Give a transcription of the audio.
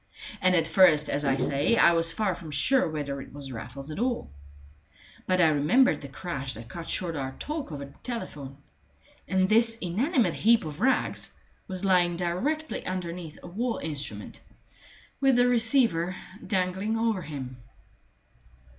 And at first, as I say, I was far from sure whether it was Raffles at all; but I remembered the crash that cut short our talk over the telephone; and this inanimate heap of rags was lying directly underneath a wall instrument, with the receiver dangling over him.